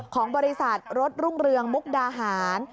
ของบริษัทรถรุ่งเรืองมุกดาหาร